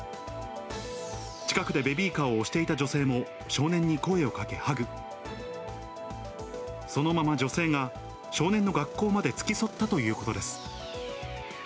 近くでベビーカーを押していた女性も、少年に声をかけ、そのまま女性が少年の学校まで付き添ったということです。